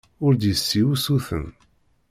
Ur d-yessi usuten.